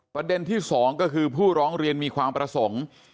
ประเด็นที่๒ก็คือผู้ร้องเรียนมีความประสงค์